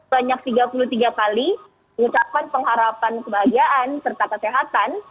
banyak tiga puluh tiga kali mengucapkan pengharapan kebahagiaan serta kesehatan